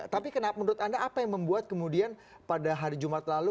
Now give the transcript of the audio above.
tapi menurut anda apa yang membuat kemudian pada hari jumat lalu